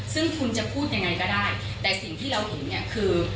ซึ่งคุณจะพูดยังไงก็ได้แต่สิ่งที่เราเห็นเนี่ยคือ